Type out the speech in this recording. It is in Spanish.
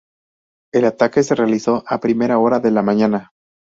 El ataque se realizó a primera hora de la mañana.